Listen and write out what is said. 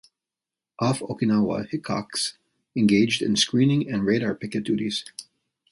Off Okinawa "Hickox" engaged in screening and radar picket duties.